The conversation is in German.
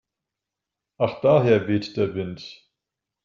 Ach daher weht der Wind.